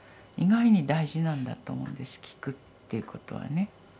意外に大事なんだと思うんですきくということはね。